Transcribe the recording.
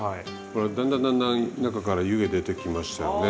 ほらだんだんだんだん中から湯気出てきましたよね。